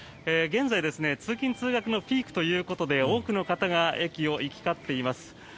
現在、通勤・通学のピークということで多くの方が駅を行き交っています。